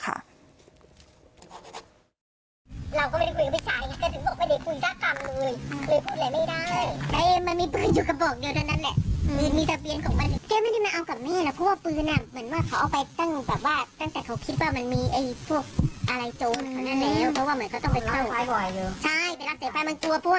เพราะว่าเหมือนเขาต้องไปเข้าใช่เวลาเจ็บไปมันกลัวเพราะว่าเป็นผู้ขี้ยา